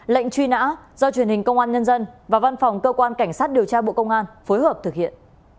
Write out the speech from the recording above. lệnh truy nã do truyền hình công an nhân dân và văn phòng cơ quan cảnh sát điều tra bộ công an phối hợp thực hiện